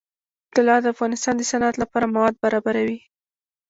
طلا د افغانستان د صنعت لپاره مواد برابروي.